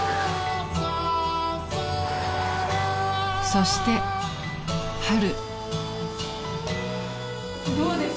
［そして春］